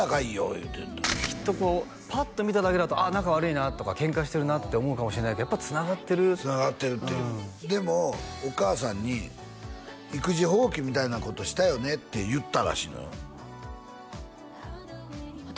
言うてたきっとこうぱっと見ただけだと仲悪いなとかケンカしてるなって思うかもしれないけどやっぱつながってるつながってるっていうでもお母さんに「育児放棄みたいなことしたよね」って言ったらしいのよ私？